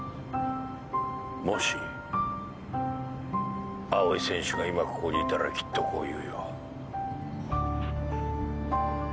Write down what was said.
もし青井選手が今ここにいたらきっとこう言うよ。